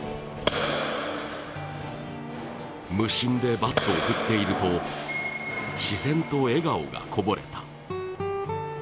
無心でバットを振っていると、自然と笑顔がこぼれた。